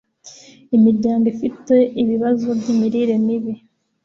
imiryango ifite ibibazo by'imirire mibi